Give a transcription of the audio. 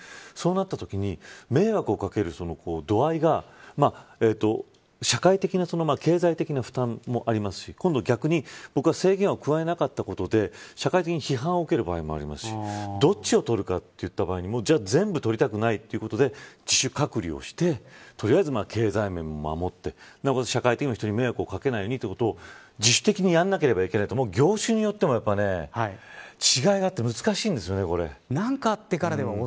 そうなったときに迷惑をかける度合いが社会的な経済的な負担もありますし今度、逆に僕は制限を加えなかったことで社会的に批判を受ける場合もありますしどっちを取るかといった場合に全部取りたくないということでじゃあ、自主隔離をして取りあえず経済面も守って社会的にも人に迷惑をかけないようにということを自主的にやらなきゃいけない業種によっても違いがあって難しいんですよね、これ。